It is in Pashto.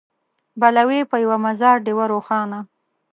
بله وي په یوه مزار ډېوه روښانه